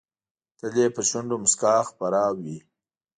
تل یې پر شونډو موسکا خوره وي.